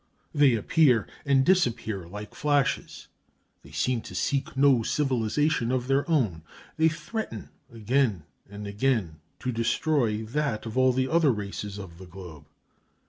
They appear and disappear like flashes. They seem to seek no civilization of their own; they threaten again and again to destroy that of all the other races of the globe.